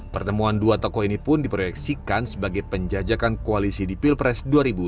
pertemuan dua tokoh ini pun diproyeksikan sebagai penjajakan koalisi di pilpres dua ribu dua puluh